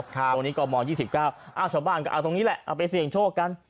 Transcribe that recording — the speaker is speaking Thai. ตรงนี้กม๒๙ชาวบ้านก็เอาตรงนี้แหละเอาไปเสี่ยงโชคกัน